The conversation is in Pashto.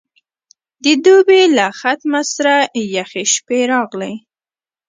د دوبي له ختمه سره یخې شپې راغلې.